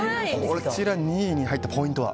こちら、２位に入ったポイントは？